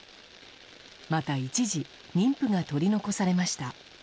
また一時妊婦が取り残されました。